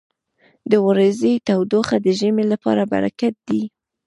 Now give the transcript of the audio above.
• د ورځې تودوخه د ژمي لپاره برکت دی.